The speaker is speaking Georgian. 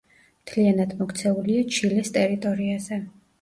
მთლიანად მოქცეულია ჩილეს ტერიტორიაზე.